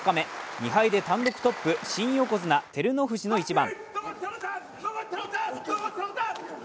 ２敗で単独トップ、新横綱・照ノ富士の一番。